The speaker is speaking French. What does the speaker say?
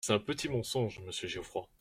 C’est un petit mensonge, monsieur Geoffroy.